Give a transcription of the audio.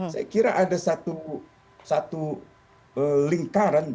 saya kira ada satu lingkaran